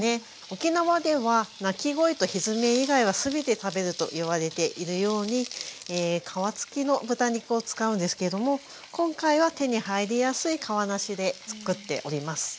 沖縄ではと言われているように皮付きの豚肉を使うんですけれども今回は手に入りやすい皮なしで作っております。